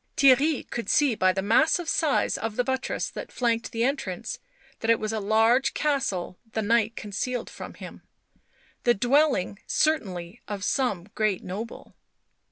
Theirry could see by the massive size of the buttress that flanked the entrance that it was a large castle the night concealed from him; the dwelling, certainly, of some great noble.